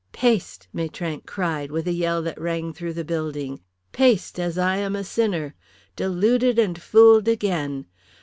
"Paste!" Maitrank cried, with a yell that rang through the building. "Paste, as I am a sinner. Deluded and fooled again.